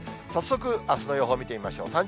早速、あすの予報を見てみましょう。